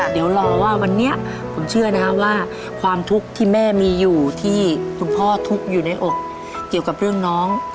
เดี๋ยวรอว่าวันนี้ผมเชื่อนะครับว่าความทุกข์ที่แม่มีอยู่ที่คุณพ่อทุกข์อยู่ในอกเกี่ยวกับเรื่องน้อง